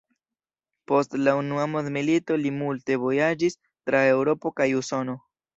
Post la unua mondmilito li multe vojaĝis tra Eŭropo kaj Usono.